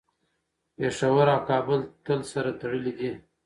پېښور او کابل تل سره تړلي دي.